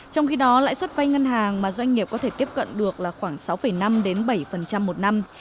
trong khi đó lãi suất vay ngân hàng mà doanh nghiệp có thể tiếp cận được là khoảng sáu năm bảy một năm